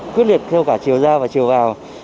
quyết liệt theo cả chiều ra và chiều vào